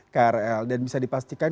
krl dan bisa dipastikan